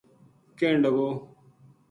کہن لگو